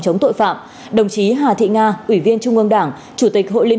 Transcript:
chống mua bán người việt nam đồng chí hà thị nga ủy viên trung ương đảng chủ tịch hội liên